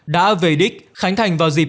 đã về đích khánh thành vào dịp